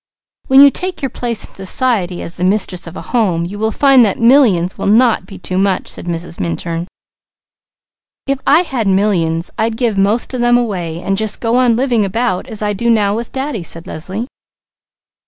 "When you take your place in society, as the mistress of a home, you will find that millions will not be too much," said Mrs. Minturn. "If I had millions, I'd give most of them away, and just go on living about as I do now with Daddy," said Leslie.